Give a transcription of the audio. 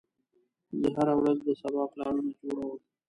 زه هره ورځ د سبا پلانونه جوړوم.